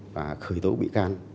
và khởi tố bị can